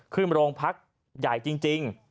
ขึ้นโรงพักใหญ่จริง